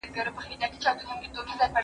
زه مځکي ته نه ګورم!